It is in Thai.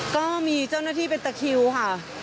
ก็มีเจ้าหน้าที่เป็นตะคิวค่ะ